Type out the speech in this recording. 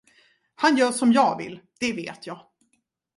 Han gör som jag vill, det vet jag.